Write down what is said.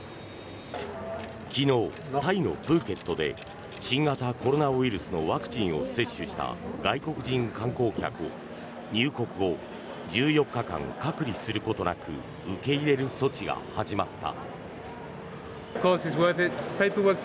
昨日、タイのプーケットで新型コロナウイルスのワクチンを接種した外国人観光客を入国後１４日間隔離することなく受け入れる措置が始まった。